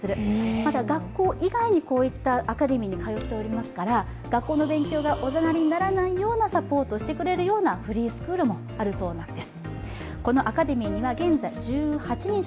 また学校以外にこういったアカデミーに通っていますから学校の勉強がおざなりにならないようなサポートをしてくれるフリースクールもあるそうなんです。